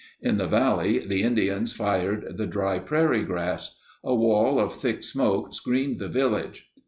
In the valley, the Indians fired the dry prairie grass. A wall of thick smoke screened the village.